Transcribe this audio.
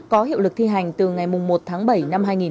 có hiệu lực thi hành từ ngày một